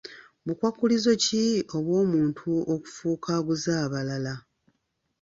Bukwakkulizo ki obw'omuntu okufuuka aguza abalala?